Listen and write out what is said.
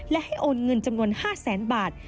และให้โอนเงินจำนวน๕แสนบาท